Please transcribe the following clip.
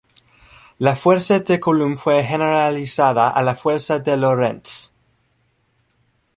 La fuerza de Coulomb fue generalizada a la fuerza de Lorentz.